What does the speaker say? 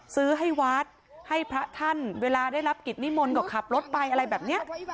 ซื้อให้วัดให้พระท่านเวลาได้รับกิจนิมนต์ก็ขับรถไปอะไรแบบนี้